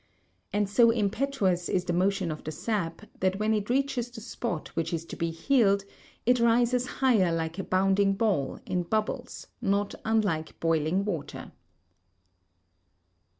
And so impetuous is the motion of the sap that when it reaches the spot which is to be healed, it rises higher like a bounding ball, in bubbles, not unlike boiling water.